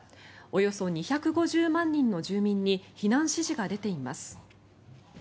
およそ２５０万人の住民に避難指示が出ています。